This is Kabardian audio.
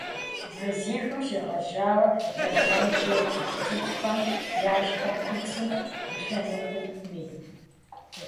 Мазихым щегъэжьауэ лэжьэн щӀедзэ цӏыкӏухэм я щхьэ куцӀым и лъэныкъуитӀми.